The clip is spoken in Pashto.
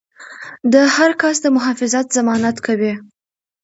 د هر کس د محافظت ضمانت کوي.